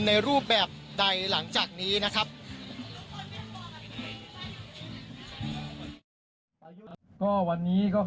ในรูปแบบใดหลังจากนี้นะครับ